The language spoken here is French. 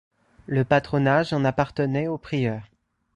Le patronage en appartenait au prieur.